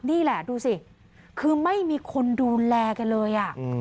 นี่แหละดูสิคือไม่มีคนดูแลแกเลย